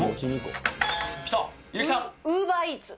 きた、ウーバーイーツ。